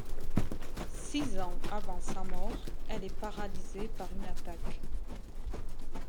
Six ans avant sa mort, elle est paralysée par une attaque.